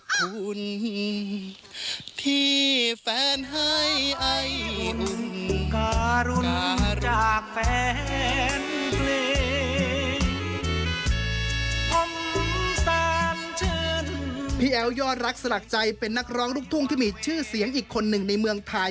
คุณแอลเชิญพี่แอ๋วยอดรักสลักใจเป็นนักร้องลูกทุ่งที่มีชื่อเสียงอีกคนหนึ่งในเมืองไทย